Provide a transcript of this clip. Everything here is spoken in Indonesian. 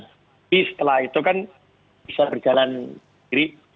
tapi setelah itu kan bisa berjalan sendiri